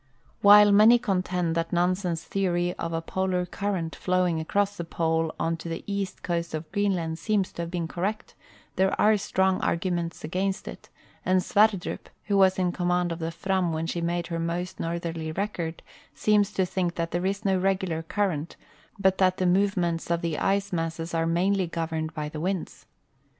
While many contend that Nansen's theory of a Polar current flowing across the Pole on to the east coast of Greenland seems to have been correct, there are strong arguments against it, and Sverdrup, who was in command of the Fram when she made her most northerly record, seems to tliink that there is no regular current, hut that the movements of the ice masses are mainly governed by the winds.